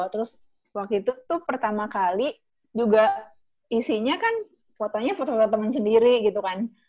terus waktu itu tuh pertama kali juga isinya kan fotonya foto foto temen sendiri gitu kan